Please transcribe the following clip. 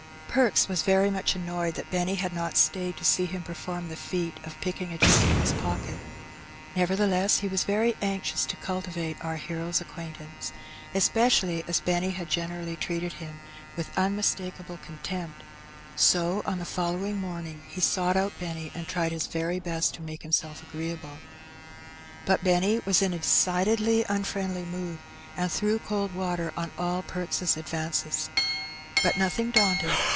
Febks was very mnch annoyed that Benny had not stayed to see him perform the feat of picking a gentleman's pocket, nevertheless, he was very anxious to cultivate our hero's acquaintance, especially as Benny had generally treated him with unmistakable contempt; so on the following morning he sought out Benny, and tried his very best to make him self agreeable. But Benny was in a decidedly unfriendly mood, and threw cold water on all Perks' advances. But, nothing daunted.